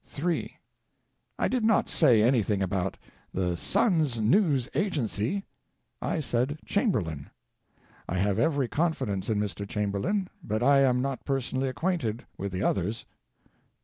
(3.) I did not say anything about "the Sun's news agency;" I said "Cham berlain." I have every confidence in Mr. Chamberlain, but I am not personally acquainted with the others.